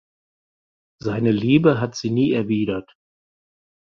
Seine Liebe hat sie nie erwidert.